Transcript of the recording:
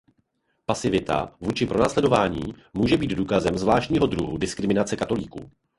Pasivita vůči pronásledování může být důkazem zvláštního druhu diskriminace katolíků.